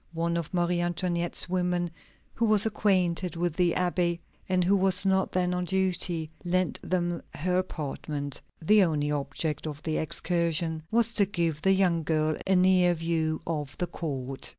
One of Marie Antoinette's women, who was acquainted with the Abbé, and who was not then on duty, lent them her apartment. The only object of the excursion was to give the young girl a near view of the court.